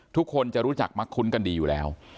ทุกคนจะรู้จักมักคุ้นกันดีอยู่แล้ว